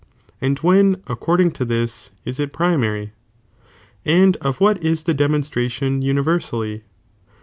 And when, accoi'ding to this, is it primary? And of what is the dcnionstrattOQ universally?